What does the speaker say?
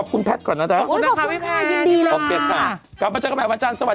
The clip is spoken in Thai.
คุณแม่คุณแม่